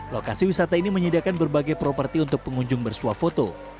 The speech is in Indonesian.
lokasi wisata ini menyediakan berbagai properti untuk pengunjung bersuap foto